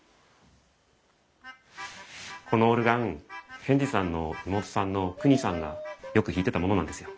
このオルガン賢治さんの妹さんのクニさんがよく弾いてたものなんですよ。